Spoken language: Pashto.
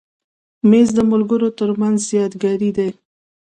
مېز د ملګرو تر منځ یادګاري دی.